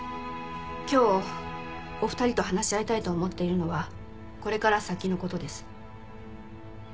今日お二人と話し合いたいと思っているのはこれから先の事です。